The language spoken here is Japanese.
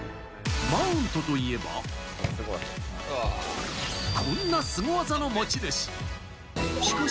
マウントといえば、こんなスゴ技の持ち主。